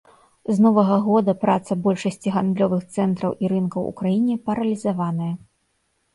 З новага года праца большасці гандлёвых цэнтраў і рынкаў у краіне паралізаваная.